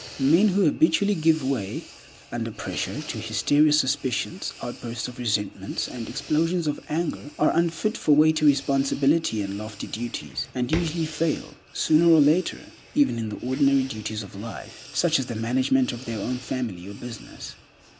Men who habitually give way, under pressure, to hysterical suspicions, outbursts of resentment, and explosions of anger, are unfit for weighty responsibilities and lofty duties, and usually fail, sooner or later, even in the ordinary duties of life, such as the management of their own family or business.